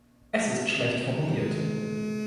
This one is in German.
Es ist schlecht formuliert.